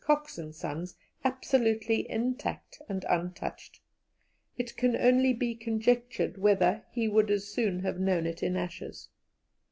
Cox and Sons, absolutely intact and untouched. It can only be conjectured whether he would as soon have known it in ashes.